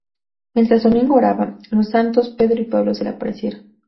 Mientras Domingo oraba, los santos Pedro y Pablo se le aparecieron.